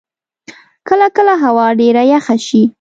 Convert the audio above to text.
کله کله هوا ډېره یخه شی.